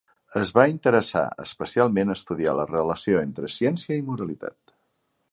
Es va interessar especialment a estudiar la relació entre ciència i moralitat.